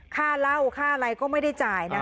ค่าเหล้าค่าอะไรก็ไม่ได้จ่ายนะ